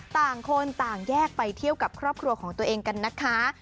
ต่างคนต่างแยกไปเที่ยวกับครอบครัวของตัวเองกันนะคะ